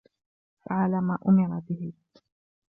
فعل ما أُمِرَ به.